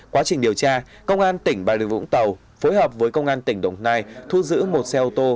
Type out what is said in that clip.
quá trình điều tra công an tỉnh bà điều vũng tàu phối hợp với công an tỉnh đồng nai thu giữ một xe ô tô